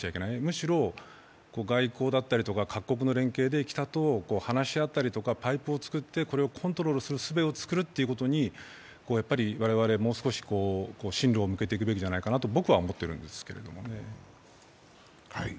むしろ外交だったり、北と話し合ったり、パイプを作ってコントロールするすべを持つことに我々もう少し進路を向けていくべきだと僕は思っているんですけど。